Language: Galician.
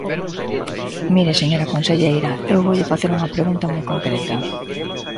Mire, señora conselleira, eu voulle facer unha pregunta moi concreta.